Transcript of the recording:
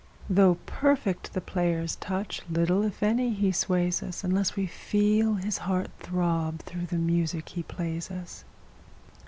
Though perfect the player's touch, little, if any, he sways us, Unless we feel his heart throb through the music he plays us.